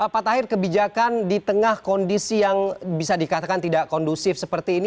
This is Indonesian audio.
pak tahir kebijakan di tengah kondisi yang bisa dikatakan tidak kondusif seperti ini